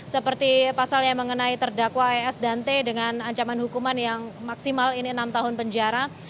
seperti pasal yang mengenai terdakwa es dan t dengan ancaman hukuman yang maksimal ini enam tahun penjara